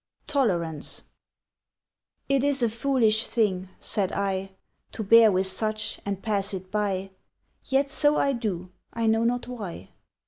TOLERANCE "IT is a foolish thing," said I, "To bear with such, and pass it by; Yet so I do, I know not why!"